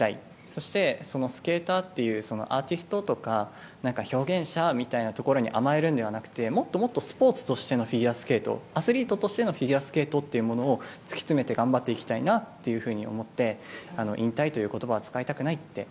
そして、そのスケーターというアーティストとか表現者とかみたいなところに甘えるんじゃなくてもっともっとスポーツとしてのフィギュアスケートアスリートとしてのフィギュアスケートというものを突き詰めて頑張っていきたいなと思って引退という言葉は使いたくないって。